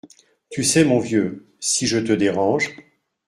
Tu sais, mon vieux, si je te dérange…